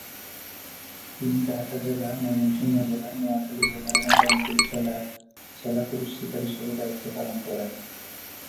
তিনি ঢাকা জেলা, ময়মনসিংহ জেলা, নোয়াখালী জেলা, এবং রংপুর জেলার জেলা পুলিশ সুপার হিসাবে দায়িত্ব পালন করেন।